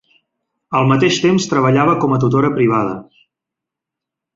Al mateix temps treballava com a tutora privada.